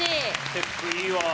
テックいいわあ。